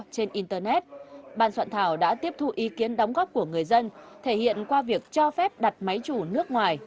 trên internet ban soạn thảo đã tiếp thu ý kiến đóng góp của người dân thể hiện qua việc cho phép đặt máy chủ nước ngoài